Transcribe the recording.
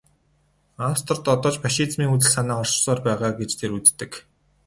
Австрид одоо ч фашизмын үзэл санаа оршсоор байгаа гэж тэр үздэг.